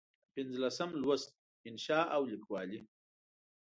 پنځلسم لوست: انشأ او لیکوالي